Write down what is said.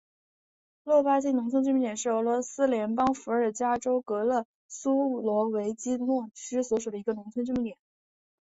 洛巴金农村居民点是俄罗斯联邦伏尔加格勒州苏罗维基诺区所属的一个农村居民点。